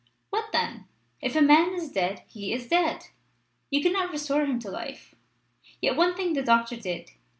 "What then? If a man is dead he is dead. You cannot restore him to life. Yet one thing the doctor did.